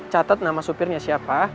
catet nama supirnya siapa